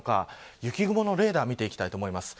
雪雲のレーダーを見ていきたいと思います。